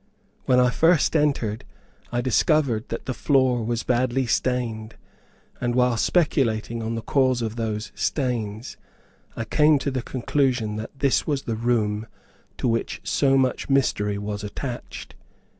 When I first entered, I discovered that the floor was badly stained, and, while speculating on the cause of those stains, I came to the conclusion that this was the room to which so much mystery was attached.